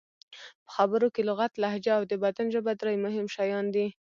په خبرو کې لغت، لهجه او د بدن ژبه درې مهم شیان دي.